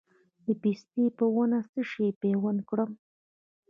د پستې په ونه څه شی پیوند کړم؟